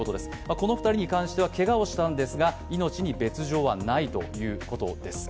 この２人に関しては、けがをしたんですが命に別状はないということです。